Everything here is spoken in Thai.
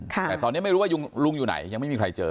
แต่ตอนนี้ไม่รู้ว่าลุงอยู่ไหนยังไม่มีใครเจอ